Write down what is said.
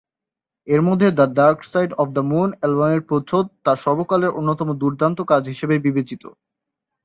এর মধ্যে "the dark side of the moon" অ্যালবামের প্রচ্ছদ তার সর্বকালের অন্যতম দুর্দান্ত কাজ হিসেবে বিবেচিত।